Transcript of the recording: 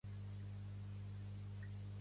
Pertany al moviment independentista l'Alfonsa?